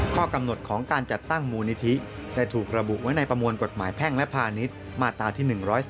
ข้อกำหนดของการจัดตั้งมูลนิธิได้ถูกระบุไว้ในประมวลกฎหมายแพ่งและพาณิชย์มาตราที่๑๔